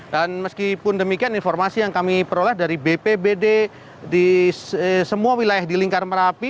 dan meskipun demikian informasi yang kami peroleh dari bpwtkg di semua wilayah di lingkar merapi